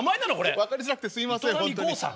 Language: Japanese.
分かりづらくてすいません。